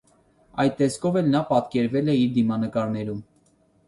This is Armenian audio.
Այդ տեսքով էլ նա պստկերվել է իր դիմանկարներում։